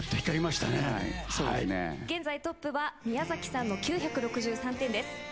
現在トップは宮崎さんの９６３点です。